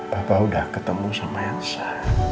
papa udah ketemu sama elsa